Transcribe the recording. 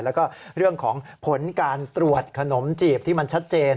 แล้วก็เรื่องของผลการตรวจขนมจีบที่มันชัดเจน